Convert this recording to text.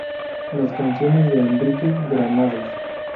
Las canciones de Enrique Granados.